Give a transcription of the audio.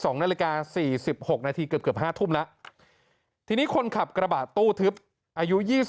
นาฬิกา๔๖นาทีเกือบ๕ทุ่มแล้วที่นี่คนขับกระบาดตู้ทึบอายุ๒๗